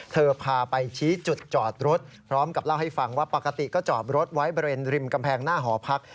พาไปชี้จุดจอดรถพร้อมกับเล่าให้ฟังว่าปกติก็จอดรถไว้บริเวณริมกำแพงหน้าหอพัก